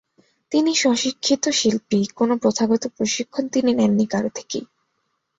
তিনি স্বশিক্ষিত শিল্পী, কোন প্রথাগত প্রশিক্ষণ তিনি নেননি কারো থেকেই।